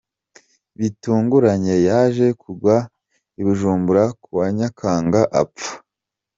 Bitunguranye yaje kugwa i Bujumbura kuwa Nyakanga apfa